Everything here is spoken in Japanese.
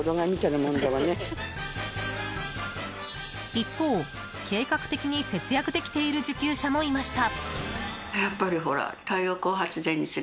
一方、計画的に節約できている受給者もいました。